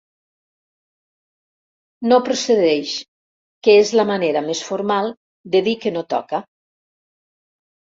No procedeix, que és la manera més formal de dir que no toca.